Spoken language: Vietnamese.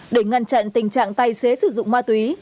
để ngăn chặn tình trạng tài xế sử dụng ma túy